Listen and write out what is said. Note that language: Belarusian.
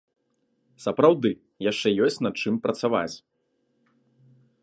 Сапраўды, яшчэ ёсць над чым працаваць!